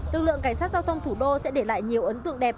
lực lượng cảnh sát giao thông thủ đô sẽ để lại nhiều ấn tượng đẹp